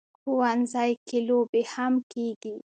ښوونځی کې لوبې هم کېږي